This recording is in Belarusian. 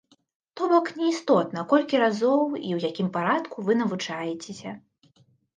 То бок, не істотна, колькі разоў і ў якім парадку вы навучаецеся.